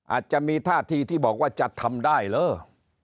อาจจะมีท่าทีที่บอกว่าจะทำได้เหรอ